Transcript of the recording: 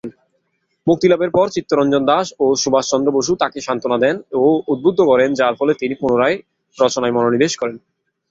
মুক্তিলাভের পর চিত্তরঞ্জন দাশ ও সুভাষচন্দ্র বসু তাকে সান্ত্বনা দেন ও উদ্বুদ্ধ করেন যার ফলে তিনি পুনরায় রচনায় মনোনিবেশ করেন।